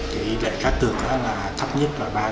chỉ đại cá tược là thấp nhất là ba đô